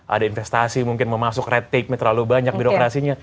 ada investasi mungkin mau masuk red tape terlalu banyak birokrasinya